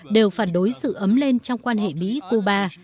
đều phản đối sự ấm lên trong quan hệ mỹ cuba